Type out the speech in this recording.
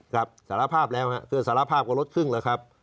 ครับสารภาพแล้วค่ะคือสารภาพลดครึ่งเลยครับ